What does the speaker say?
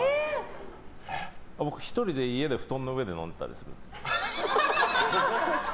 僕１人で家で布団の上で飲んでたりする。